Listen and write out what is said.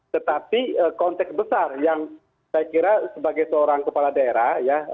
tetapi konteks besar yang saya kira sebagai seorang kepala daerah ya